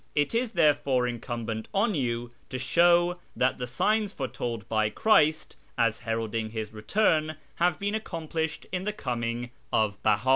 It is therefore incumbent on you to show that the signs foretold by Christ as heralding His return have been accomplished in the coming of Beha.